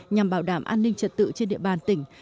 nhằm bảo đảm an ninh trật tự trên địa bàn tỉnh